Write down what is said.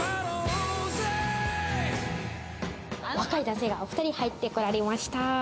若い男性が、お２人入ってこられました。